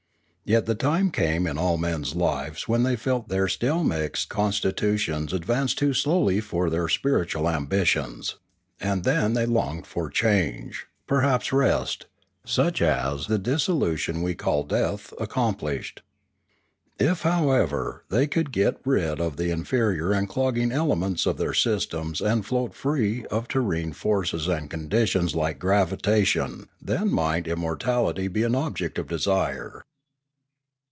Yet the time came in all men's lives when they felt their still mixed constitutions advance too slowly for their spirit ual ambitions; and then they longed for change, perhaps rest, such as the dissolution we call death accomplished. If, however, they could get rid of the inferior and clogging elements of their systems and float free of terrene forces and conditions like gravita tion, then might immortality be an object of desire.